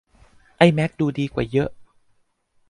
ไอ้แม็กดูดีกว่าเยอะ